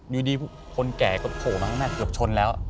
อยู่ดีคนแก่โผล่มาทุกแม่เกือบชนแล้ว